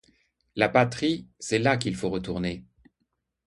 La patrie!... c’est là qu’il faut retourner !